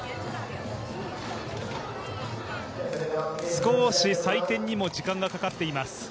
少し採点にも時間がかかっています。